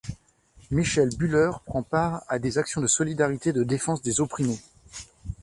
Michel Bühler prend part à des actions de solidarité et de défense des opprimés.